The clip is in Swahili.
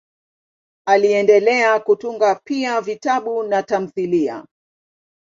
Aliendelea kutunga pia vitabu na tamthiliya.